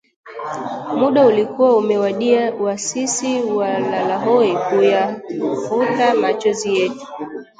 Muda ulikuwa umewadia wa sisi walalahoi kuyafuta machozi yetu